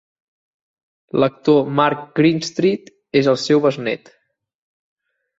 L'actor Mark Greenstreet és el seu besnét.